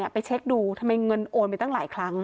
ไปเช็คดูทำไมเงินโอนไปตั้งหลายครั้ง